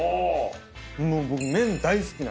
もう僕。